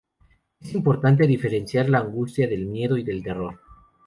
Es importante diferenciar la angustia del miedo y del terror.